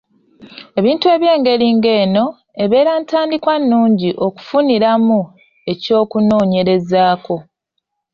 Ebintu eby’engeri eno, ebeera ntandikwa nungi okufuniramu ekyokunoonyerezaako.